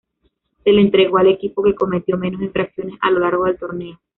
Se le entregó al equipo que cometió menos infracciones a lo largo del torneo.